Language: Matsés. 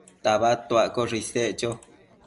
tabadtuaccoshe isec cho